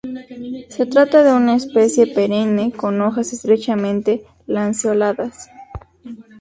Se trata de una especie perenne con hojas estrechamente lanceoladas.